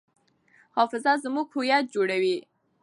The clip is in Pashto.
حافظه زموږ هویت جوړوي.